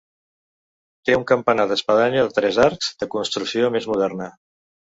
Té un campanar d'espadanya de tres arcs, de construcció més moderna.